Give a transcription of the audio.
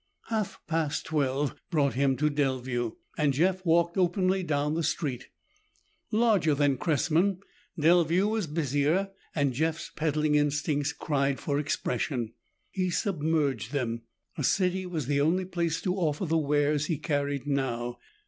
Half past twelve brought him to Delview, and Jeff walked openly down the street. Larger than Cressman, Delview was busier, and Jeff's peddling instincts cried for expression. He submerged them; a city was the only place to offer the wares he carried now.